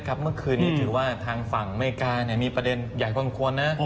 คือนี่คือว่าทางฝั่งอเมกามีประเด็นใหญ่ขวานนะ